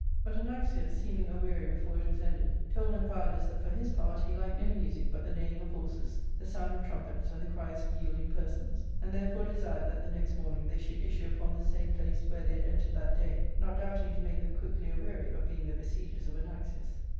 But Anaxius, seeming aweary before it was ended, told Amphialus that, for his part, he liked no music but the neighing of horses, the sound of trumpets, and the cries of yielding persons, and therefore desired that the next morning^ they should issue upon the same place where they had entered that day, not doubting to make them quickly aweary of beings the besiegers of Anaxius.